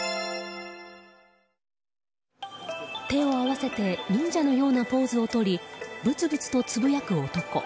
手を合わせて忍者のようなポーズをとりぶつぶつとつぶやく男。